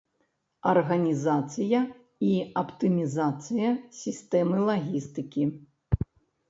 Арганізацыя і аптымізацыя сістэмы лагістыкі.